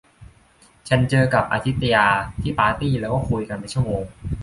ฉันเจอกับอทิตยาที่ปาร์ตี้แล้วก็คุยกันเป็นชั่วโมง